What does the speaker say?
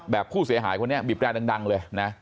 แบบผู้เสียหายคนนี้บีบแดงเลยนะ